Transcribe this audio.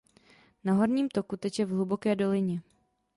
Na horním toku teče v hluboké dolině.